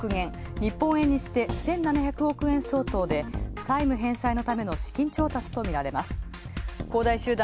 日本円にして１７００億円相当で債務返済のための資金調達とみられます。